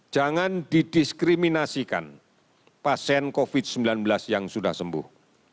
jangan didiskriminasikan pasien covid sembilan belas yang sudah sembuh